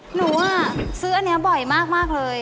หนูซื้ออันนี้บ่อยมากเลย